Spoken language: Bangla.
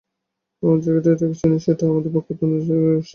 আমরা যাকে চেতনা বলি, সেটা আমাদের প্রকৃতির অনন্ত শৃঙ্খলের একটা শিকলি-মাত্র।